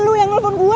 lu yang nelfon gua